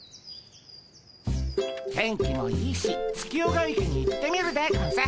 天気もいいし月夜が池に行ってみるでゴンス。